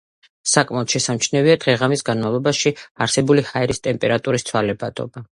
საკმაოდ შესამჩნევია დღე-ღამის განმავლობაში არსებული ჰაერის ტემპერატურის ცვალებადობა.